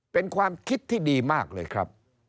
เป็นความคิดที่ดีมากเลยครับ